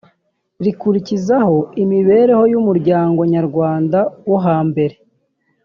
rikurikizaho imibereho y’umuryango Nyarwanda wo hambere